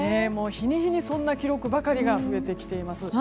日に日にそんな記録ばかりが増えてきています。